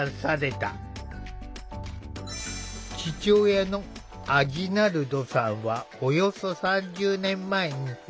父親のアジナルドさんはおよそ３０年前に来日。